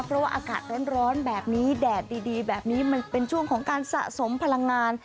เพราะว่าอากาศร้อนแบบนี้แดดดีแบบนี้มันเป็นช่วงของการสะสมพลังงาน